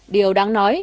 điều đáng nói là